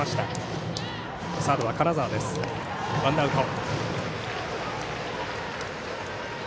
ワンアウト。